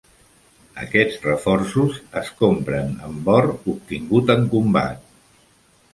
Aquests reforços es compren amb or obtingut en combat.